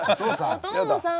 お父さん！